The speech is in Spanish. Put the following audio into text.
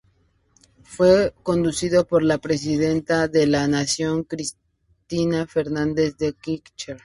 Fue conducido por la presidenta de la Nación, Cristina Fernández de Kirchner.